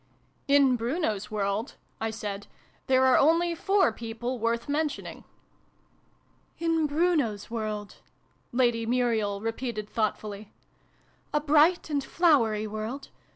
" In Bruno's World," I said, " there are only four People worth mentioning !" "In Bruno's World !" Lady Muriel repeated thoughtfully. " A bright and flowery world.